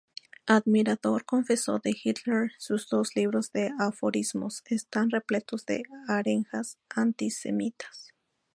Admirador confeso de Hitler, sus dos libros de aforismos están repletos de arengas antisemitas.